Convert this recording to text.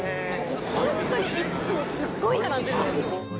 いつもすごい並んでるんですよ。